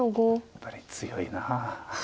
やっぱり強いな。